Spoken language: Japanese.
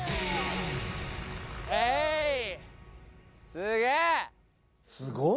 すげえ！